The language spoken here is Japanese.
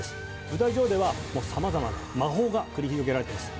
舞台上では様々な魔法が繰り広げられてます